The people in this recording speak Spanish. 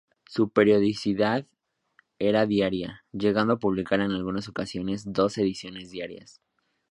Su periodicidad era diaria, llegando a publicar en algunas ocasiones dos ediciones diarias.